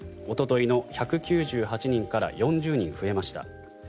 おとといの１９８人から４０人増えました。